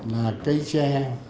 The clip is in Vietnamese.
là cây tre